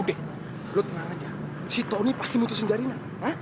ude lo tenang aja si tony pasti mutusin syahrina